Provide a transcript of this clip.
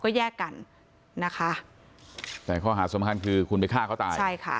ก็แยกกันนะคะแต่ข้อหาสำคัญคือคุณไปฆ่าเขาตายใช่ค่ะ